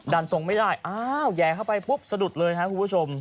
ดันส่งไม่ได้อ้าวแยงเข้าไปปุ๊บสะดุดเลยนะคุณผู้ชม